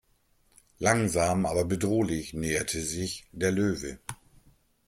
Langsam aber bedrohlich näherte sich der Löwe.